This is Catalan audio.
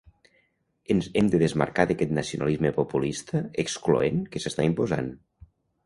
Ens hem de desmarcar d’aquest nacionalisme populista excloent que s’està imposant.